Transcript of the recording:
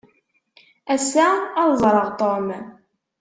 Ass-a, ad ẓreɣ Tom.